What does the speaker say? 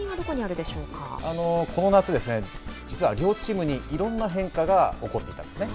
この夏、実は両チームにいろんな変化が起こっていたんですよね。